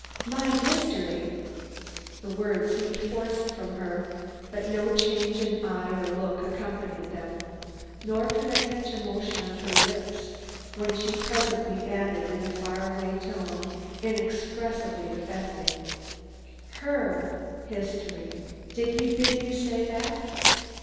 "My history!" The words seemed forced from her, but no change in eye or look accompanied them; nor could I catch a motion of her lips when she presently added in a far away tone inexpressibly affecting, "Her history! Did he bid you say that?"